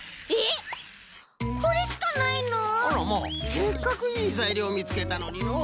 せっかくいいざいりょうみつけたのにのう。